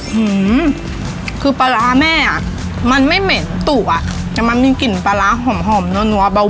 หือคือปลาร้าแม่อ่ะมันไม่เหม็นตุอ่ะแต่มันมีกลิ่นปลาร้าหอมหอมนัวเบา